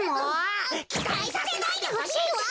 きたいさせないでほしいわ！